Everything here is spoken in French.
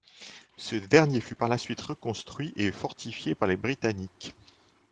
Ce dernier fut par la suite reconstruit et fortifié par les Britanniques.